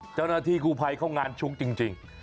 เจ้านาธิกู้ภัยเข้างานชุกจริงจริง